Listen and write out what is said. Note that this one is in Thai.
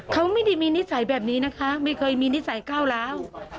เขาไม่ได้มีนิสัยแบบนี้นะคะไม่เคยมีนิสัยก้าวร้าว